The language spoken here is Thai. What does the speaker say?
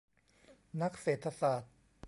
นักเศรษฐศาสตร์